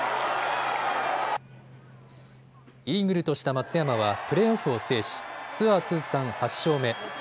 イーグルとした松山はプレーオフを制しツアー通算８勝目。